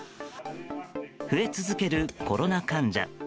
増え続けるコロナ患者。